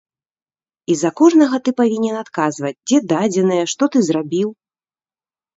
І за кожнага ты павінен адказваць, дзе дадзеныя, што ты зрабіў.